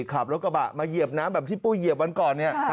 ขับรถกระบะมาเหยียบน้ำแบบที่ปุ้ยเหยียบวันก่อนเนี่ย